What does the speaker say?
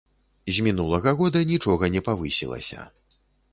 З мінулага года нічога не павысілася.